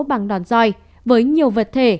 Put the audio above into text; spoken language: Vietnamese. bằng đòn roi với nhiều vật thể